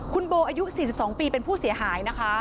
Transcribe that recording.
คุณโบอายุ๔๒ปีเป็นผู้เสียหายนะคะ